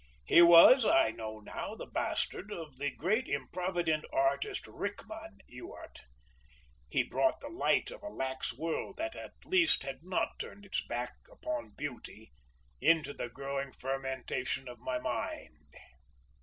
He was, I know now the bastard of that great improvident artist, Rickmann Ewart; he brought the light of a lax world that at least had not turned its back upon beauty, into the growing fermentation of my mind.